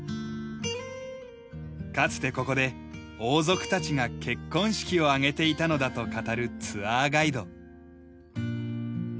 かつてここで王族たちが結婚式を挙げていたのだと語るツアーガイド。